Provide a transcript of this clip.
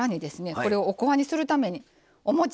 これをおこわにするためにおもち。